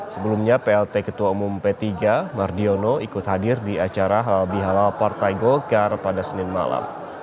sebelumnya plt ketua umum p tiga mardiono ikut hadir di acara halal bihalal partai golkar pada senin malam